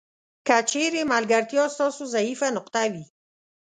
که چیرې ملګرتیا ستاسو ضعیفه نقطه وي.